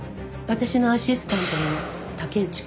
私のアシスタントの竹内くん。